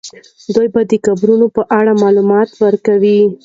دوی به د قبرونو په اړه معلومات ورکوي.